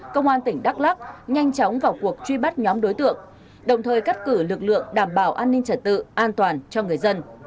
công an tỉnh đắk lắc nhanh chóng vào cuộc truy bắt nhóm đối tượng đồng thời cắt cử lực lượng đảm bảo an ninh trật tự an toàn cho người dân